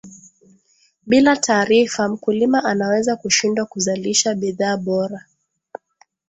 bila taarifa mkulima anaweza kushindwa kuzalisha bidhaa bora